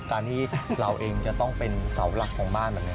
การที่เราเองจะต้องเป็นเสาหลักของบ้านแบบนี้